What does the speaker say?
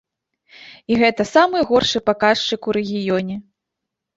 І гэта самы горшы паказчык у рэгіёне.